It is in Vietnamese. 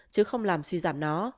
chứ không làm suy giảm nó